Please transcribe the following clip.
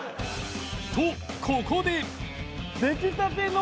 とここで